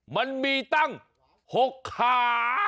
มันมีตั้ง๖ขา